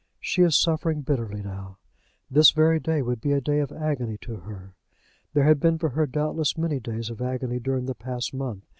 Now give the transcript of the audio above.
She was suffering bitterly now. This very day would be a day of agony to her. There had been for her, doubtless, many days of agony during the past month.